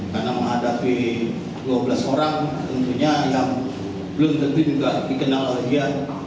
karena menghadapi dua belas orang tentunya yang belum tentu juga dikenal oleh dia